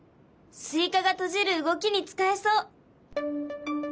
スイカが閉じる動きに使えそう。